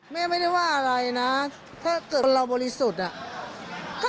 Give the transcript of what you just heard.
แม่ไม่ได้ว่าอะไรนะถ้าเกิดคนเราบริสุทธิ์อ่ะ